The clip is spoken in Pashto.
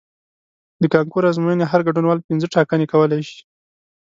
د کانکور ازموینې هر ګډونوال پنځه ټاکنې کولی شي.